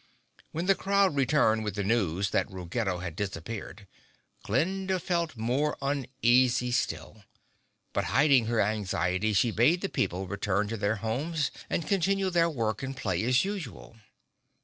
When the crowd returned with the news that Ruggedo had disappeared Glinda felt more uneasy still. But hiding her anxiety she bade the people return to their homes and continue their work and play as usual.